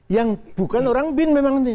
yang bukan orang bin memang nanti